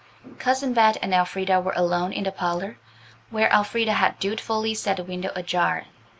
Cousin Bet and Elfrida were alone in the parlour, where Elfrida had dutifully set the window ajar.